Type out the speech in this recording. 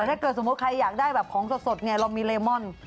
แต่ถ้าใครอยากได้ของสดเรามีเลมอน